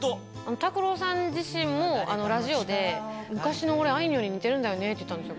拓郎さん自身も、ラジオで、昔の俺、あいみょんに似てるんだよねって言ってたんですよ。